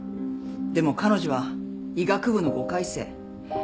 でも彼女は医学部の５回生。